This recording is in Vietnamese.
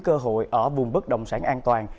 cơ hội ở vùng bất động sản an toàn